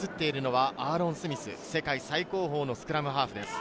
アーロン・スミス、世界最高峰のスクラムハーフです。